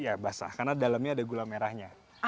ya basah karena dalamnya ada gula merahnya